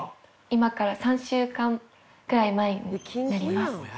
今から３週間くらい前になります。